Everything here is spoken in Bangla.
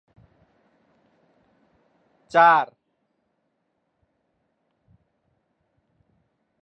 তিনি তাকলিদের বিরোধিতা করেন এবং ইজতিহাদ প্রয়োগের আহ্বান জানান।